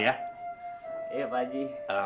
iya pak ji